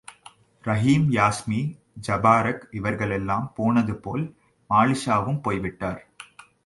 ரஹீம் யாஸ்மி ஜபாரக் இவர்களெல்லாம் போனது போல் மாலிக்ஷாவும் போய்விட்டார்.